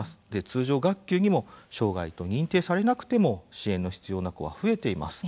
通常学級にも障害と認定されなくても支援の必要な子は増えています。